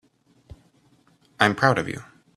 I'm proud of you.